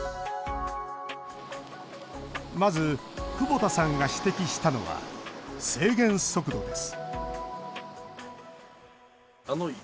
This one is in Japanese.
まず、久保田さんが指摘したのは制限速度です